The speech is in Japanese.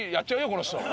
この人。